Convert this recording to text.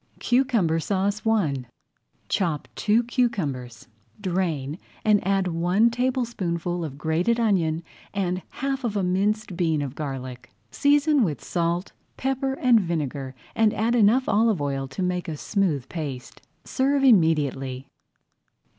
CUCUMBER SAUCE I Chop two cucumbers, drain, and add one tablespoonful of grated onion and half of a minced bean of garlic. Season with salt, pepper, and vinegar, and add enough olive oil to make a smooth paste. Serve immediately.